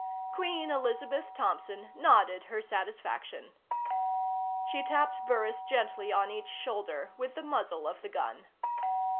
Queen Elizabeth Thompson nodded her satisfaction. She tapped Burris gently on each shoulder with the muzzle of the gun.